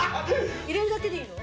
入れるだけでいいの？